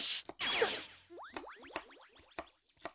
それ！